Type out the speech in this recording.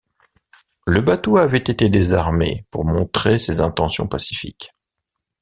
Le bateau avait été désarmé pour montrer ses intentions pacifiques.